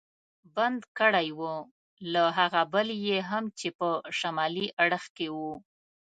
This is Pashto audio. بند کړی و، له هغه بل یې هم چې په شمالي اړخ کې و.